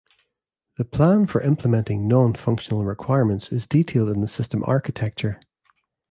The plan for implementing "non-functional" requirements is detailed in the system "architecture".